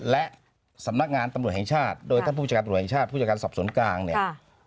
และสำนักงานตำรวจแห่งชาติโดยท่านผู้จัดการตำรวจแห่งชาติผู้จัดการสอบสวนกลางเนี่ย